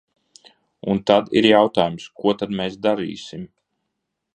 Un tad ir jautājums: ko tad mēs darīsim?